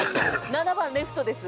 ◆７番レフトです。